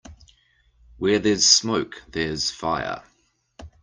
Where there's smoke there's fire.